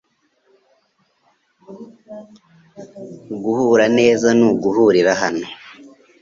Guhura neza nuguhurira hano .